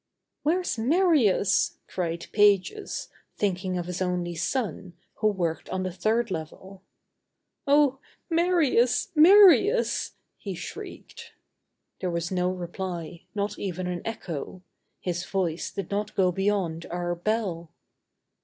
"Where's Marius?" cried Pages, thinking of his only son, who worked on the third level. "Oh, Marius! Marius," he shrieked. There was no reply, not even an echo. His voice did not go beyond our "bell."